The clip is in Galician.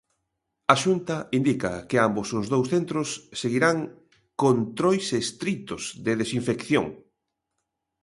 A Xunta indica que ambos os dous centros seguirán "controis estritos de desinfección".